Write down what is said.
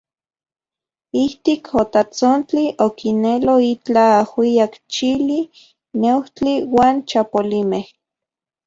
Ijtik otatsontli, okinelo itlaj ajuijyak, chili, neujtli uan chapolimej.